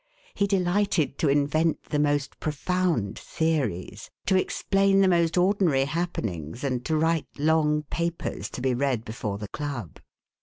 He delighted to invent the most profound theories, to explain the most ordinary happenings and to write long papers to be read before the Club.